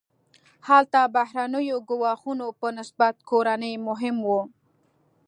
هلته بهرنیو ګواښونو په نسبت کورني مهم وو.